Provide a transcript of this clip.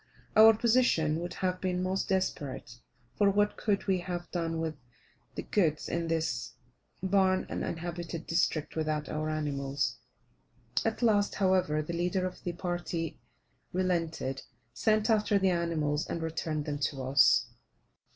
Our position would have been most desperate; for, what could we have done with the goods in this barren uninhabited district without our animals. At last, however, the leader of the party relented, sent after the animals, and returned them to us.